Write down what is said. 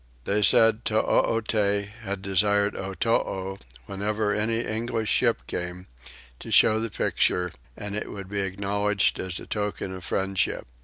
They said Toote had desired Otoo, whenever any English ship came, to show the picture, and it would be acknowledged as a token of friendship.